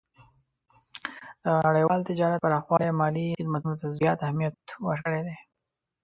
د نړیوال تجارت پراخوالی مالي خدمتونو ته زیات اهمیت ورکړی دی.